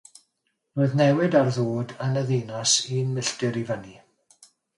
Roedd newid ar ddod yn y Ddinas Un Milltir i Fyny.